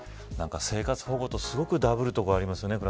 生活保護とすごくだぶるところがありますね。